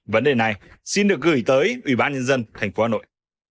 vấn đề này xin được gửi tới ủy ban nhân dân tp hà nội